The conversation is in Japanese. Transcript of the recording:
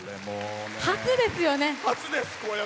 初ですよね。